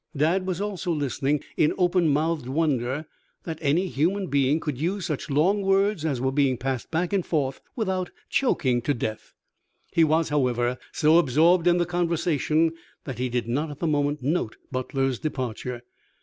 Dad was also listening in open mouthed wonder that any human being could use such long words as were being passed back and forth without choking to death. He was, however, so absorbed in the conversation that he did not at the moment note Butler's departure.